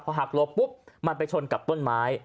หักหลบปุ๊บมันไปชนกับต้นไม้